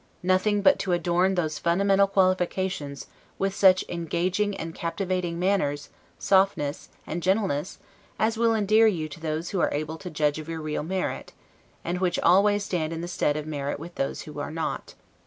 Nothing, but to adorn those fundamental qualifications, with such engaging and captivating manners, softness, and gentleness, as will endear you to those who are able to judge of your real merit, and which always stand in the stead of merit with those who are not.